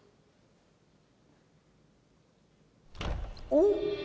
おっ！